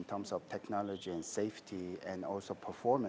berdasarkan teknologi keamanan dan juga performa